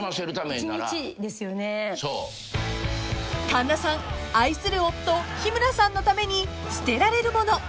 ［神田さん愛する夫日村さんのために捨てられるもの。